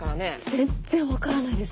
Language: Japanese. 全然分からないです。